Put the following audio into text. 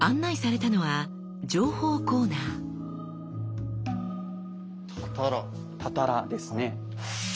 たたらですね。